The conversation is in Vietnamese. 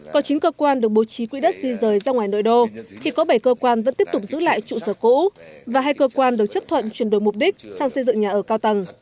có chín cơ quan được bố trí quỹ đất di rời ra ngoài nội đô thì có bảy cơ quan vẫn tiếp tục giữ lại trụ sở cũ và hai cơ quan được chấp thuận chuyển đổi mục đích sang xây dựng nhà ở cao tầng